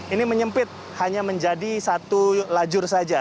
ini menyempit hanya menjadi satu lajur saja